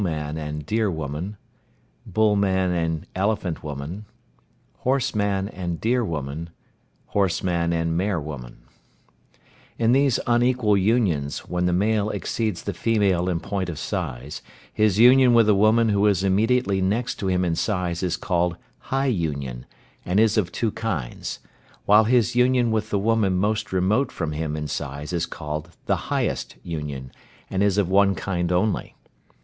| Deer. |||| Bull. | Elephant. |||| Horse. | Deer. |||| Horse. | Mare. |+++++ In these unequal unions, when the male exceeds the female in point of size, his union with a woman who is immediately next to him in size is called high union, and is of two kinds; while his union with the woman most remote from him in size is called the highest union, and is of one kind only.